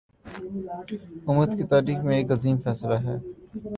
امت کی تاریخ میں ایک عظیم فیصلہ ہے